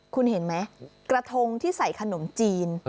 คุณเห็นไหมกระทงที่ใส่ขนมจีน